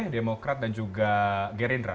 demokrat dan juga gerindra